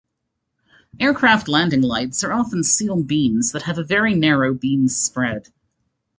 Aircraft landing lights are often sealed beams that have a very narrow beam spread.